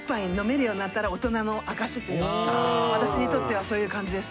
私にとってはそういう感じです。